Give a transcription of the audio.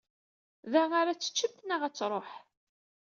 Da arq tt-teččemt neɣ ad tṛuḥ?